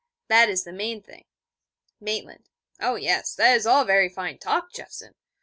That is the main thing.' Maitland: 'Oh yes, that's all very fine talk, Jeffson!